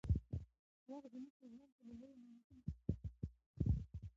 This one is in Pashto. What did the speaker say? وخت زموږ په ژوند کې له لويو نعمتونو څخه دى.